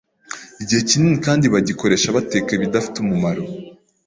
Igihe kinini kandi bagikoresha bateka ibidafite umumaro